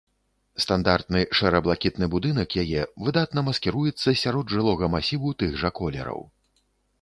Стандартны шэра-блакітны будынак яе выдатна маскіруецца сярод жылога масіву тых жа колераў.